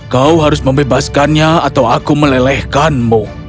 kau harus membebaskannya atau aku melelehkanmu